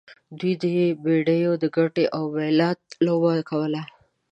دوی د بیډیو د ګټې او بایلات لوبه کوله.